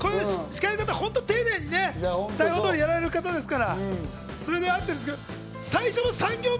司会の方、丁寧に台本通りやられる方ですから。